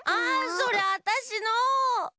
それあたしの！